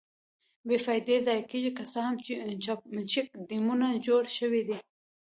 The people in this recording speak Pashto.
بې فایدې ضایع کېږي، که څه هم چیک ډیمونه جوړ شویدي.